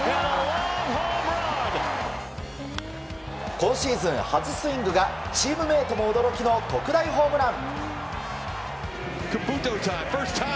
今シーズン初スイングがチームメートも驚きの特大ホームラン。